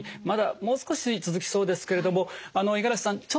まだもう少し続きそうですけれども五十嵐さん